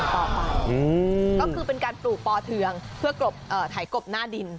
ก็คือเป็นการปลูกปอเทืองเพื่อถ่ายกรบหน้าดิน